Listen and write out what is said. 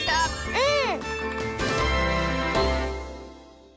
うん！